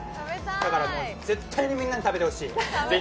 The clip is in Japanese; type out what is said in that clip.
だからもう、絶対にみんなに食べてほしい。